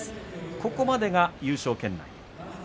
ここまでが優勝圏内。